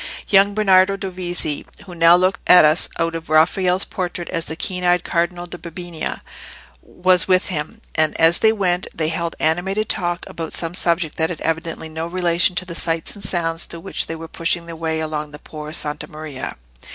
Young Bernardo Dovizi, who now looks at us out of Raphael's portrait as the keen eyed Cardinal da Bibbiena, was with him; and, as they went, they held animated talk about some subject that had evidently no relation to the sights and sounds through which they were pushing their way along the Por' Santa Maria.